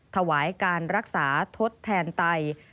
ถวายการรักษาทดแทนไต